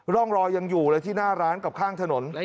ร่องรอยยังอยู่เลยที่หน้าร้านกับข้างถนน